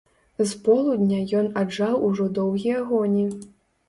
З полудня ён аджаў ужо доўгія гоні.